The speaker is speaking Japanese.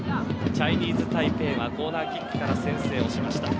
チャイニーズタイペイはコーナーキックから先制をしました。